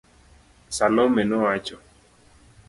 Salome nowacho